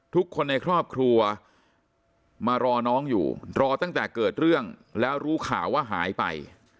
ทุกคนในครอบครัวมารอน้องอยู่รอตั้งแต่เกิดเรื่องแล้วรู้ข่าวว่าหายไป